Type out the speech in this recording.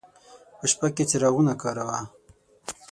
په شپه کې څراغونه کاروه.